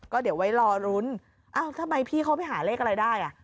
ก็เดี๋ยวไว้รอรุ้นเอ้าทำไมพี่เขาไปหาเลขอะไรได้อ่ะ